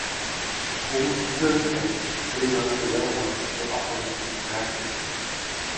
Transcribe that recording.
All turntables in Sri Lanka Railways were operated manually.